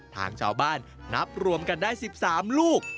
ทางชาวบ้านนับรวมกันได้๑๓ลูก